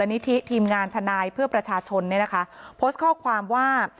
วันนิธิทีมงานทนายเพื่อประชาชนโพสต์ข้อความว่า